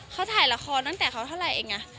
เขาถ่ายละครตั้งแต่เขาเท่าไหร่เอง